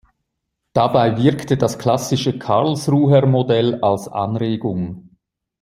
Dabei wirkte das klassische Karlsruher Modell als Anregung.